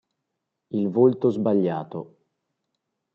Il volto sbagliato.